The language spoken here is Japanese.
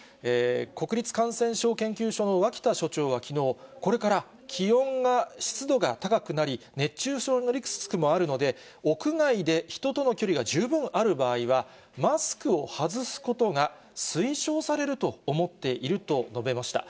国立感染症研究所の脇田所長はきのう、これから気温が、湿度が高くなり、熱中症のリスクもあるので、屋外で人との距離が十分ある場合は、マスクを外すことが推奨されると思っていると述べました。